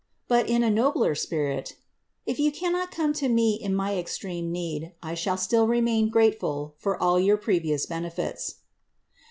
But, in a nobler spirit, ^ If you cannot come to me in my extreme need, I shall still remain grateful for all your previous benefits."